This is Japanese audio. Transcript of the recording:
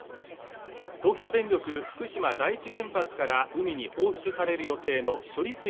東京電力福島第一原発から海に放出される予定の処理